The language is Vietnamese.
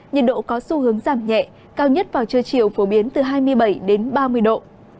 nhiệt độ có xu hướng giảm nhẹ cao nhất vào trưa chiều phổ biến từ hai mươi bảy đến ba mươi độ